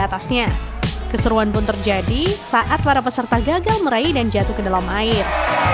atasnya keseruan pun terjadi saat para peserta gagal meraih dan jatuh ke dalam air